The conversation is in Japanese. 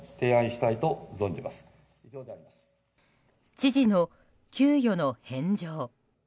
知事の給与の返上。